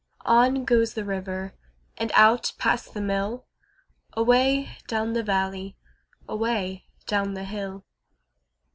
On goes the river And out past the mill, Away down the valley, Away down the hill.